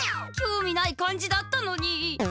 きょうみない感じだったのに。